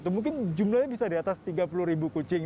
mungkin jumlahnya bisa di atas tiga puluh ribu kucing